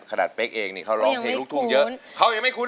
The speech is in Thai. เป๊กเองนี่เขาร้องเพลงลูกทุ่งเยอะเขายังไม่คุ้น